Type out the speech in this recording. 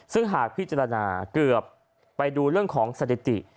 ซึ่งหากพิจารณาเกือบไปดูเรื่องของสถิติ